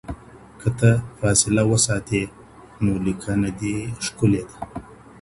که ته فاصله وساتې نو لیکنه دې ښکلې ده.